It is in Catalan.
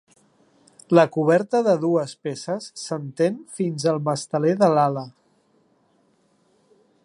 La coberta de dues peces s'entén fins al masteler de l'ala.